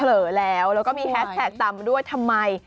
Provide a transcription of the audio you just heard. เหลือแล้วแล้วก็มีแฮสแท็กตามมาด้วยทำไม